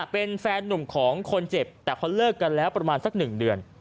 เป็นแฟนนุ่มของคนเจ็บแต่เขาเลิกกันแล้วประมาณสัก๑เดือน